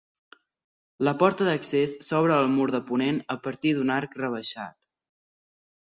La porta d'accés s'obre al mur de ponent a partir d'un arc rebaixat.